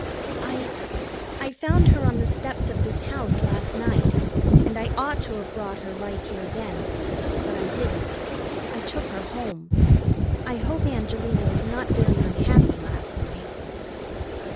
"I I found her on the steps of this house last night, and I ought to have brought her right here then. But I didn't. I took her home. I hope Angelina was not very unhappy last night."